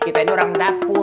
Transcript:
kita ini orang dapur